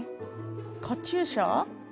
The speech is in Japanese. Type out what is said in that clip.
カチューシャ？